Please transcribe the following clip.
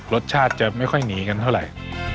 รสชาติจะไม่ค่อยหนีกันเท่าไหร่